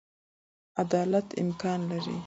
عدالت امکان لري.